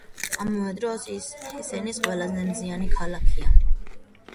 ამავე დროს, ის ჰესენის ყველაზე მზიანი ქალაქია.